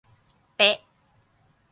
เป๊ะ